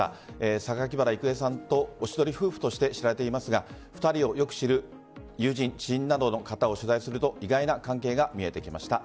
榊原郁恵さんとおしどり夫婦として知られていますが２人をよく知る友人、知人などの方を取材すると意外な関係が見えてきました。